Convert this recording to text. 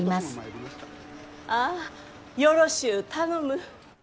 ああよろしゅう頼む。